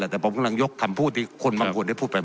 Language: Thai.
แหละแต่ผมกำลังยกคำพูดที่คนมันควรได้พูดไปมัน